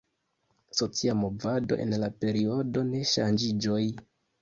Socia movado en la periodo de ŝanĝiĝoj.